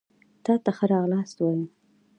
تاته ښه راغلاست وايو